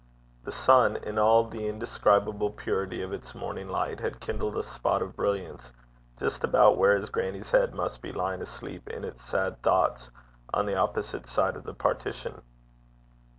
The sun, in all the indescribable purity of its morning light, had kindled a spot of brilliance just about where his grannie's head must be lying asleep in its sad thoughts, on the opposite side of the partition.